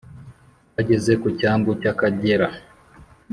bageze ku cyambu cy’ akagera,